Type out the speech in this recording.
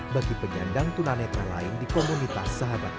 bagi penyandang tunanetra lain di komunitas sahabat